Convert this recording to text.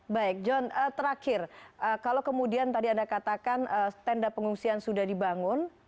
baik john terakhir kalau kemudian tadi anda katakan tenda pengungsian sudah dibangun